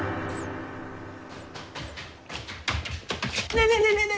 ねえねえねえねえ！